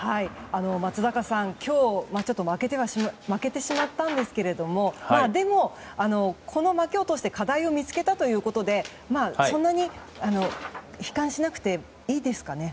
松坂さん、今日はちょっと負けてしまったんですがでも、この負けを通して課題を見つけたということでそんなに悲観しなくていいですかね？